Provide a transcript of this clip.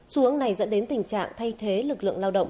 xu hướng này dẫn đến tình trạng thay thế lực lượng lao động